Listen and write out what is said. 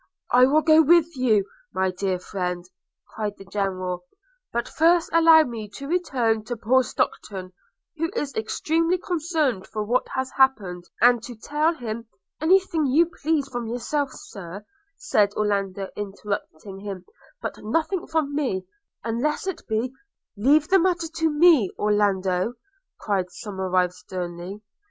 'I will go with you, my dear friend,' cried the General; 'but first allow me to return to poor Stockton, who is extremely concerned for what has happened, and to tell him –' 'Any thing you please from yourself, Sir,' said Orlando interrupting him; 'but nothing from me, unless it be –' 'Leave the matter to me, Orlando,' cried Somerive sternly.